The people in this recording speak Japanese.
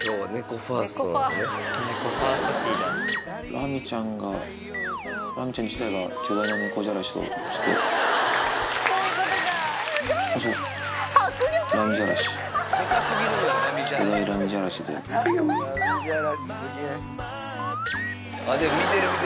ラミちゃんが、ラミちゃん自体が、巨大な猫じゃらしとして。